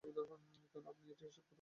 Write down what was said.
কেন আপনি এটি হিসাব করতে পারেন না?